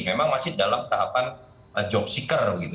memang masih dalam tahapan job seaker gitu